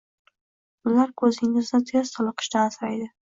Ular koʻzingizni tez toliqishdan asraydi